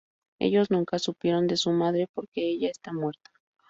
Ellos nunca supieron de su madre porque ella ya está muerta.